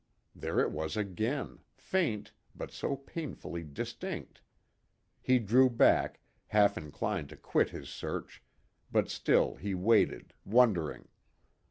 There it was again, faint, but so painfully distinct. He drew back, half inclined to quit his search, but still he waited, wondering.